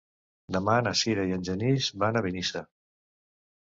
Demà na Sira i en Genís van a Benissa.